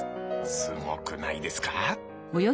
すごくないですか？